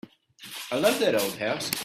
I love that old house.